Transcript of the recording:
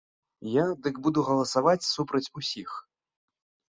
Я, дык буду галасаваць супраць усіх.